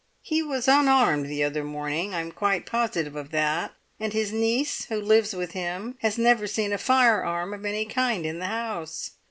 "He was unarmed the other morning. I'm quite positive of that. And his niece, who lives with him, has never seen a firearm of any kind in the house."